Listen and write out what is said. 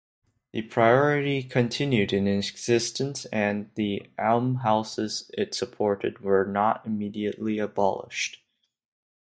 The priory continued in existence and the almshouses it supported were not immediately abolished.